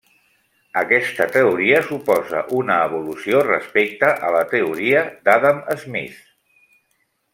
Aquesta teoria suposa una evolució respecte a la teoria d'Adam Smith.